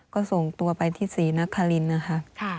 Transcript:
ก็ส่งตัวไปที่ศรีนครินนะคะ